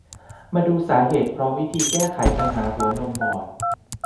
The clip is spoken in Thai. มาดูสาเหตุ พร้อมวิธีแก้ไขปัญหาหัวนมบอด